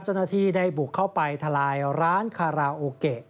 เจ้าหน้าที่ได้บุกเข้าไปทลายร้านคาราโอเกะ